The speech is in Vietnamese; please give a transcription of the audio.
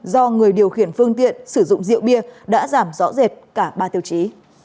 do người điều khiển phương tiện sử dụng rượu bia đã giảm rõ rệt cả ba tiêu chí